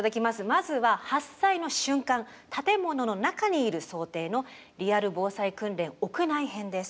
まずは発災の瞬間建物の中にいる想定の「リアル防災訓練屋内編」です。